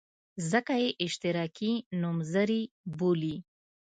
ځکه یې اشتراکي نومځري بولي.